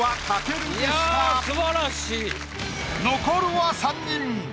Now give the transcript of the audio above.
残るは３人。